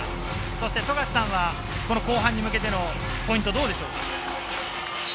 富樫さんは後半に向けてのポイントはどうでしょうか？